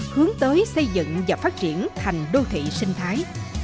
hướng tới xây dựng và phát triển thành đô thị sinh thái